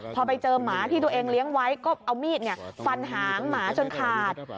พอไปเจอหมาที่ตัวเองเลี้ยงไว้ก็เอามีดฟันหางหมาจนขาด